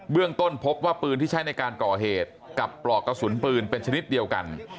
เรื่องต้นพบว่าปืนที่ใช้ในการก่อเหตุกับปลอกกระสุนปืนเป็นชนิดเดียวกัน